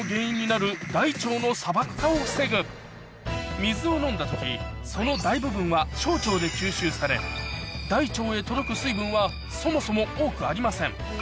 水を飲んだ時その大部分は小腸で吸収され大腸へ届く水分はそもそも多くありません